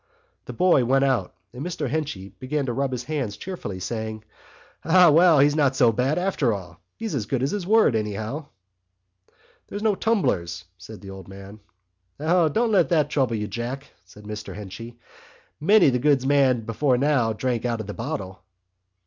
The boy went out and Mr Henchy began to rub his hands cheerfully, saying: "Ah, well, he's not so bad after all. He's as good as his word, anyhow." "There's no tumblers," said the old man. "O, don't let that trouble you, Jack," said Mr Henchy. "Many's the good man before now drank out of the bottle."